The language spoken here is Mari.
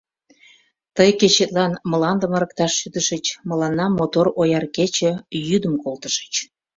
Тый кечетлан мландым ырыкташ шӱдышыч, мыланна мотор ояр кече-йӱдым колтышыч.